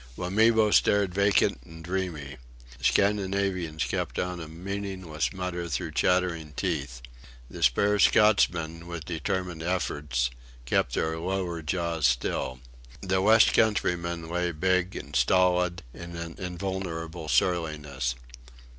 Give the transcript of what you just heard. Wamibo stared vacant and dreamy. The Scandinavians kept on a meaningless mutter through chattering teeth. The spare Scotchmen, with determined efforts, kept their lower jaws still. The West country men lay big and stolid in an invulnerable surliness.